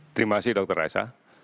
terima kasih dr aisyah